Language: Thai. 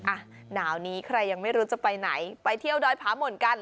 อ่ะหนาวนี้ใครยังไม่รู้จะไปไหนไปเที่ยวดอยผาหม่นกัน